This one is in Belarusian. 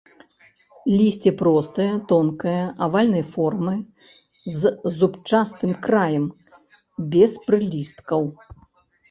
Лісце простае, тонкае, авальнай формы, з зубчастым краем, без прылісткаў.